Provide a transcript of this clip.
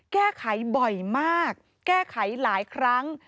แก้ไขบ่อยมากแก้ไขหลายครั้ง